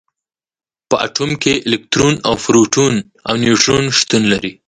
په اتوم کې الکترون او پروټون او نیوټرون شتون لري.